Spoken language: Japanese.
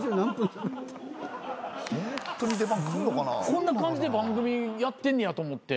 こんな感じで番組やってんねやと思って。